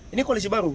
ini koalisi baru